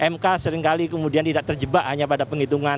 mk seringkali kemudian tidak terjebak hanya pada penghitungan